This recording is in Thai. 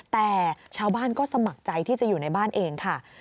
แต่ชาวบ้านก็สมัครใจที่จะอยู่ในบ้านเองค่ะ